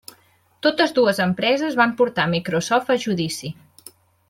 Totes dues empreses van portar Microsoft a judici.